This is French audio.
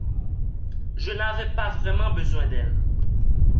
Je n’avais pas vraiment besoin d’elle.